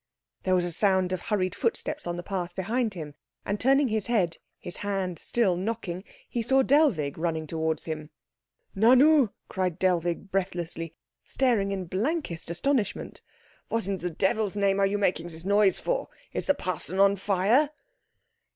There was a sound of hurried footsteps on the path behind him, and turning his head, his hand still knocking, he saw Dellwig running towards him. "Nanu!" cried Dellwig breathlessly, staring in blankest astonishment. "What in the devil's name are you making this noise for? Is the parson on fire?"